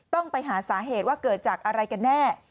ต้องไปหาสาเหตุว่าเกิดจากอะไรกันแน่